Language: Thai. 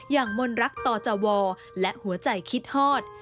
อย่างมนตรรักต่อจวอและหัวใจคิดฮอด